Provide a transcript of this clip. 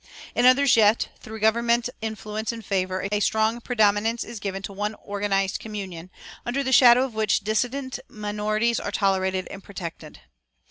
In others yet, through government influence and favor, a strong predominance is given to one organized communion, under the shadow of which dissentient minorities are tolerated and protected.